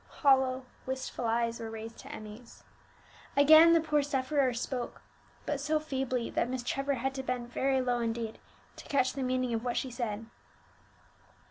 Hollow, wistful eyes were raised to Emmie's. Again the poor sufferer spoke, but so feebly that Miss Trevor had to bend very low indeed to catch the meaning of what she said.